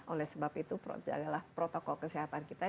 oleh sebab itu jagalah protokol kesehatan kita